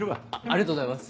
ありがとうございます。